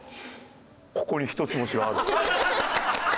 ここに一つ星がある。